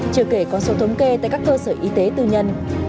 chưa kể con số thống kê tại các cơ sở y tế tư nhân